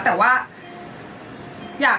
แต่ว่า